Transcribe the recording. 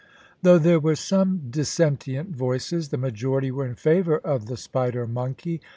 Though there were some dissentient voices, the majority were in favour of the spider monkey.